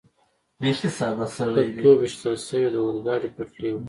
په توپ ویشتل شوې د اورګاډي پټلۍ وه.